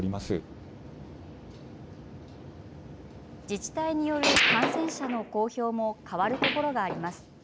自治体による感染者の公表も変わるところがあります。